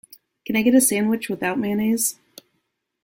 Can I get the sandwich without mayonnaise?